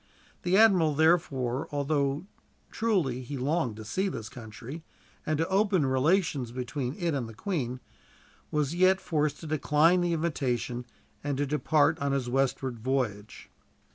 The admiral, therefore, although truly he longed to see this country, and to open relations between it and the Queen, was yet forced to decline the invitation, and so to depart on his westward voyage.